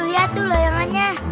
lihat tuh loyangannya